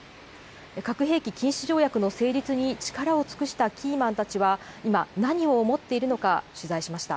核兵器禁止条約の成立に力を尽くしたキーマンたちは、今、何を思っているのか取材しました。